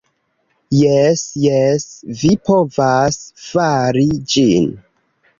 "Jes jes, vi povas fari ĝin.